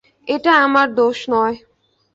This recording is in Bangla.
এটা আমার দোষ নয়।